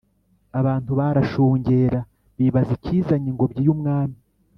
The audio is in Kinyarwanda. abantu barashungera bibaza ikizanye ingobyi yumwami